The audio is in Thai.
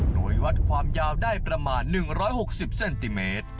โดยวัดความยาวได้ประมาณ๑๖๐เซนติเมตร